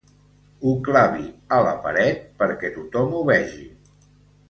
Ho clavi a la paret perquè tothom ho vegi.